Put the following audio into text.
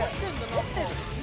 掘ってる？